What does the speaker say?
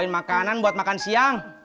makanan buat makan siang